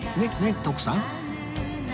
徳さん